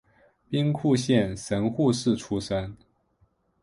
兵库县神户市出身。